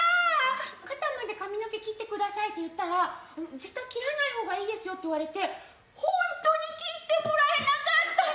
「肩まで髪の毛切ってください」って言ったら「絶対切らない方がいいですよ」って言われてホントに切ってもらえなかったの！